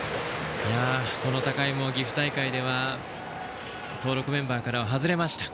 高井も岐阜大会では登録メンバーからは外れました。